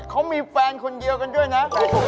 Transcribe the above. เขามีแฟนคนเดียวกันด้วยนะ